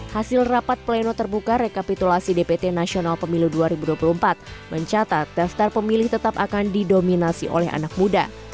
hasil rapat pleno terbuka rekapitulasi dpt nasional pemilu dua ribu dua puluh empat mencatat daftar pemilih tetap akan didominasi oleh anak muda